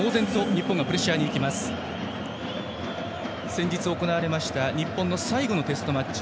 先日行われました日本の最後のテストマッチ